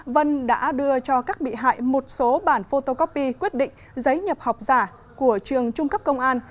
vân đã đưa cho các bị hại một số bản photocopy quyết định giấy nhập học giả của trường trung cấp công an